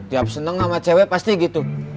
tiap seneng sama cewek pasti gitu